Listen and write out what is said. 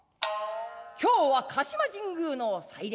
今日は鹿島神宮の祭礼。